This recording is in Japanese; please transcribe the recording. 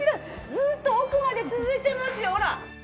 ずーっと奥まで続いてますよほら！